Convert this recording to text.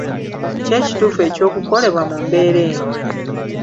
Ki ekituufu eky'okukolebwa mu mbeera eno?